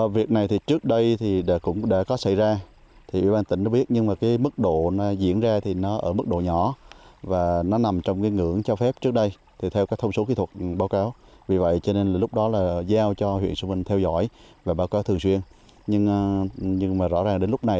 vì vậy chúng ta ủy ban tỉnh phải vào cuộc để xử lý vấn đề này